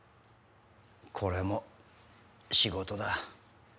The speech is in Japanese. これも仕事だ。